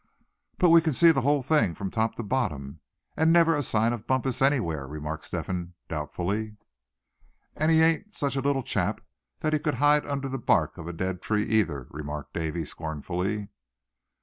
"But we can see the whole thing from top to bottom, and never a sign of Bumpus anywhere?" remarked Step hen, doubtfully. "And he ain't such a little chap that he could hide under the bark of a dead tree either," remarked Davy, scornfully.